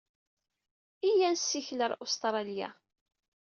Iyya ad nessikel ɣer Ustṛalya.